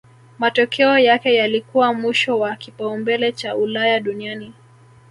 Matokeo yake yalikuwa mwisho wa kipaumbele cha Ulaya duniani